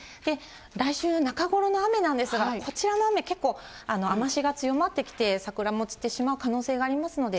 来週中ごろの雨なんですが、こちらの雨、結構、雨足が強まってきて、桜も散ってしまう可能性ありますので、